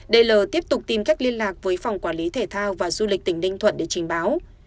d l tiếp tục tìm cách liên lạc với phòng quản lý thể thao và du lịch tỉnh ninh thuận để trình báo